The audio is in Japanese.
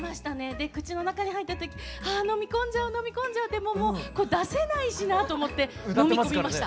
で口の中に入った時あ飲み込んじゃう飲み込んじゃうでももう出せないしなと思って飲み込みました。